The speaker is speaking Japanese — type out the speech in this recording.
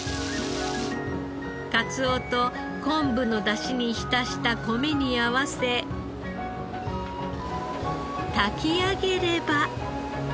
カツオと昆布の出汁に浸した米に合わせ炊き上げれば。